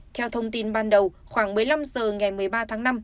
theo thông tin ban đầu khoảng một mươi năm giờ ngày một mươi ba tháng